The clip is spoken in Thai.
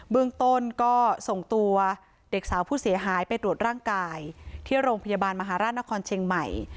เมืองต้นก็ส่งตัวเด็กสาวผู้เสียหายไปตรวจร่างกายที่โรงพยาบาลมหาราชนครเชียงใหม่